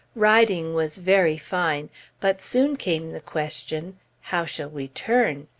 Riding was very fine; but soon came the question, "How shall we turn?"